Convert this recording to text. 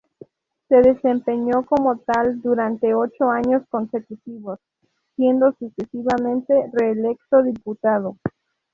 Se desempeñó como tal durante ocho años consecutivos, siendo sucesivamente reelecto diputado.